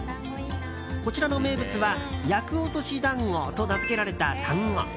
こちらの名物は厄落し団子と名付けられた団子。